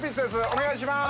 お願いします！